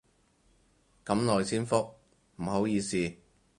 咁耐先覆，唔好意思